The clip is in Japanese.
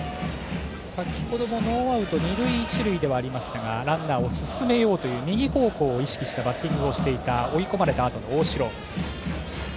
先程もノーアウト二塁一塁ではありましたがランナーを進めようという右方向を意識したバッティングをしていた追い込まれたあとの大城。